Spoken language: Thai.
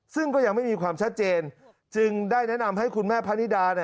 ซึ่งก็ยังไม่มีความชัดเจนจึงได้แนะนำให้คุณแม่พะนิดา